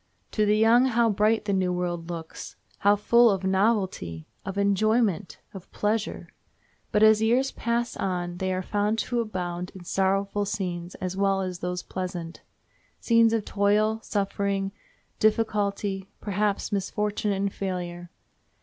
To the young how bright the new world looks! how full of novelty! of enjoyment! of pleasure! But as years pass on they are found to abound in sorrowful scenes as well as those pleasant—scenes of toil, suffering, difficulty, perhaps misfortune and failure.